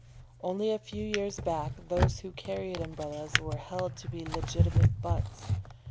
Only a few years back those who carried Umbrellas were held to be legitimate butts.